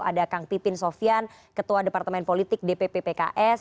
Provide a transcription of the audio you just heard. ada kang pipin sofian ketua departemen politik dpp pks